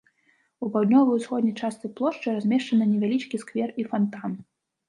У паўднёва-ўсходняй частцы плошчы размешчаны невялічкі сквер і фантан.